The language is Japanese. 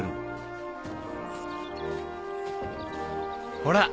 ほら。